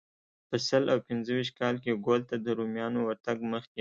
په سل او پنځه ویشت کال کې ګول ته د رومیانو ورتګ مخکې.